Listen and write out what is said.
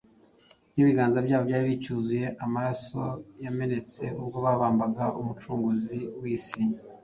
nibiganza byabo byari bicyuzuye amaraso yamenetse ubwo babambaga Umucunguzi w’isi.